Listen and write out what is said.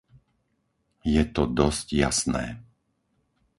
Je to dosť jasné.